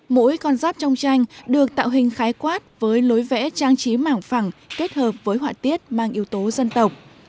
mỗi con giáp trong tranh được tạo hình khái quát với lối vẽ trang trí mảng phẳng kết hợp với họa tiết mang yếu tố dân tộc